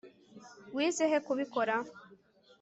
Wize he kubikora